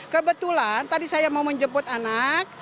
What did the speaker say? kebetulan tadi saya mau menjemput anak